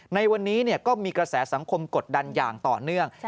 ในวันนี้ก็มีกระแสสังคมกดดันอย่างต่อเนื่อง